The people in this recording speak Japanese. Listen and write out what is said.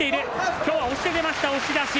きょうは押して出ました、押し出し。